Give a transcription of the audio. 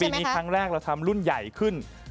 นี้ครั้งแรกเราทำรุ่นใหญ่ขึ้น